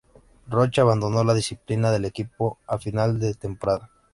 Roche abandonó la disciplina del equipo a final de temporada.